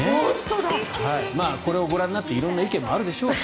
これをご覧になって色んな意見もあるでしょう。